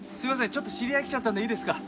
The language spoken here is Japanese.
ちょっと知り合い来ちゃったんでいいですか？